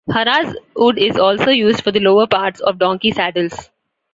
"Haraz" wood is also used for the lower parts of donkey saddles.